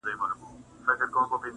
دا سرکښه دا مغروره -